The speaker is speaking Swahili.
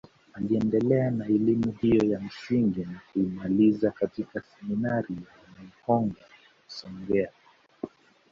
Aliendelea na elimu hiyo ya msingi na kuimaliza katika seminari ya Hanga Songea